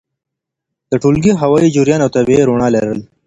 د ټولګي د هوايي جریان او طبیعي رؤڼا لرل!